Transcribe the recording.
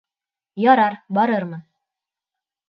— Ярар, барырмын!